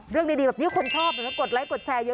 เรื่องดีแบบนี้คนชอบกดไลคดแชร์เยอะ